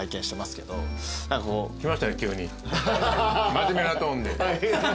真面目なトーンで。